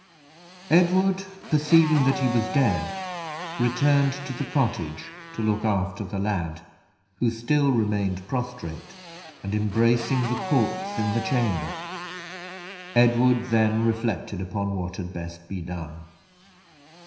Edward perceiving that he was dead, returned to the cottage to look after the lad, who still remained prostrate and embracing the corpse in the chamber. Edward then reflected upon what had best be done.